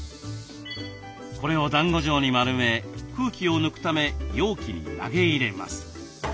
これをだんご状に丸め空気を抜くため容器に投げ入れます。